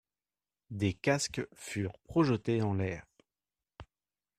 Des casques furent projetés en l'air.